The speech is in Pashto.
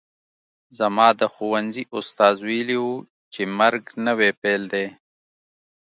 زما د ښوونځي استاد ویلي وو چې مرګ نوی پیل دی